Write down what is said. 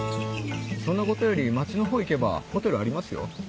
そんなことより街の方行けばホテルありますよ。